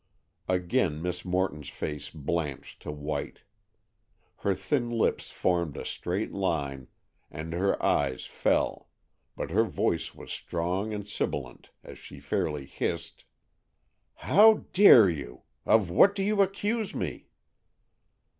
Again Miss Morton's face blanched to white. Her thin lips formed a straight line, and her eyes fell, but her voice was strong and sibilant, as she fairly hissed: "How dare you! Of what do you accuse me?"